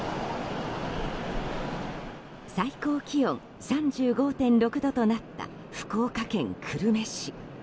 最高気温３５．６度となった福岡県久留米市。